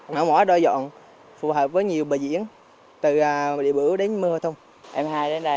quá đo dọn phù hợp với nhiều bài diễn từ địa bửu đến mưa thôi